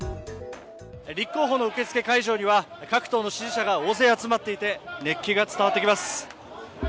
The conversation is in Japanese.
立候補の受け付け会場には各党の支持者が大勢集まっていて、熱気が伝わってきます。